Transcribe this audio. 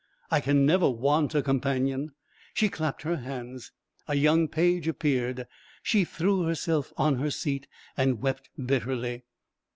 I can never want a companion." She clapped her hands; a young page appeared; she threw herself on her seat and wept bitterly.